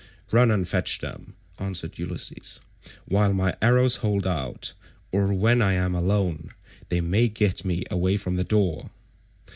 "Run and fetch them," answered Ulysses, "while my arrows hold out, or when I am alone they may get me away from the door."